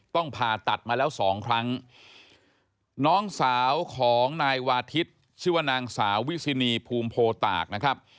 ผ่าตัดมาแล้วสองครั้งน้องสาวของนายวาทิศชื่อว่านางสาววิสินีภูมิโพตากนะครับ